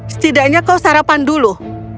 setidaknya kau sarapan dulu